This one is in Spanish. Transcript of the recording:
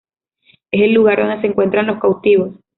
Es el lugar donde se encuentran los cautivos.